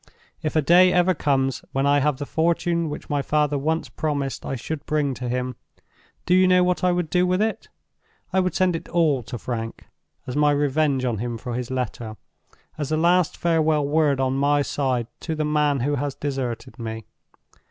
If a day ever comes when I have the fortune which my father once promised I should bring to him, do you know what I would do with it? I would send it all to Frank, as my revenge on him for his letter; as the last farewell word on my side to the man who has deserted me.